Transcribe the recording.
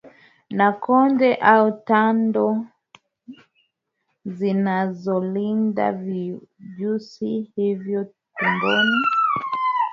na kondo au tando zinazolinda vijusi hivyo tumboni